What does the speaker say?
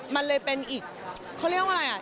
มันเลยเป็นอีกเขาเรียกว่าอะไรอ่ะ